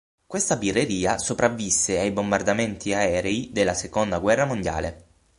Questa birreria sopravvisse ai bombardamenti aerei della Seconda guerra mondiale.